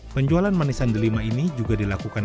penjualan manisan delima ini juga dilakukan